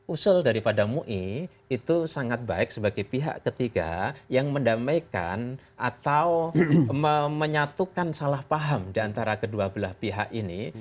usul daripada mui itu sangat baik sebagai pihak ketiga yang mendamaikan atau menyatukan salah paham diantara kedua belah pihak ini